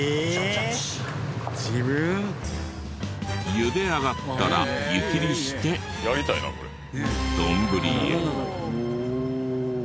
ゆで上がったら湯切りして丼へ。